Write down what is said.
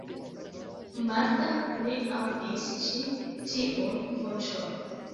Marta ne aŭdis ĉi tiun voĉon.